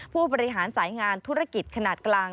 ผู้บริหารสายงานธุรกิจขนาดกลาง